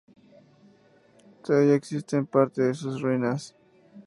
Todavía existen parte de sus ruinas.